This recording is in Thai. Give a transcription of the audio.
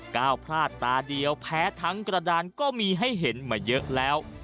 ก้าวพลาดตาเดียวแพ้ทั้งกระดานก็มีให้เห็นมาเยอะแล้ว